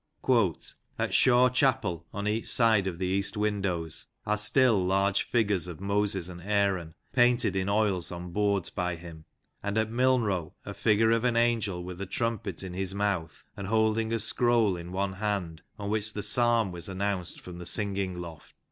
"At Shaw Chapel, on each side of the east windows, are still large figures of Moses and Aaron, painted in oils on boards by him, and at Milnrow a figure of an angel with a trumpet in his mouth, and holding a scroll in one hand on which the psalm was announced from the singing loft."